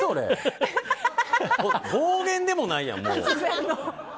暴言でもないやん、もう。